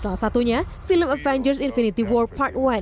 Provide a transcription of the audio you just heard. salah satunya film avengers infinity war part satu